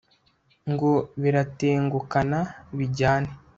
Ngo biratengukana bijyane